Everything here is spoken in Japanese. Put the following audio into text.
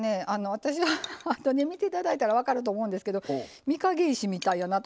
私はあとで見て頂いたら分かると思うんですけど御影石みたいやなと。